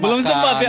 belum sempat ya